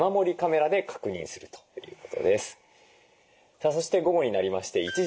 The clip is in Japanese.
さあそして午後になりまして１時です。